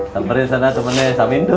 teperin sana temennya samindut